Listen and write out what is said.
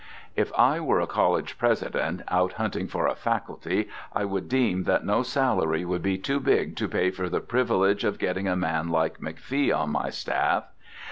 If I were a college president, out hunting for a faculty, I would deem that no salary would be too big to pay for the privilege of getting a man like McFee on my staff.